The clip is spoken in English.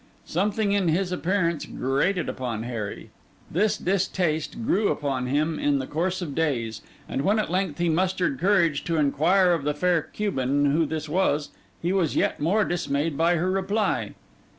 Something in his appearance grated upon Harry; this distaste grew upon him in the course of days; and when at length he mustered courage to inquire of the Fair Cuban who this was, he was yet more dismayed by her reply.